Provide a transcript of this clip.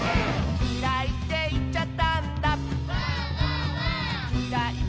「きらいっていっちゃったんだ」